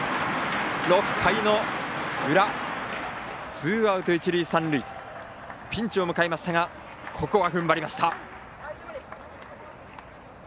６回の裏、ツーアウト一塁三塁ピンチを迎えましたがここは踏ん張りました。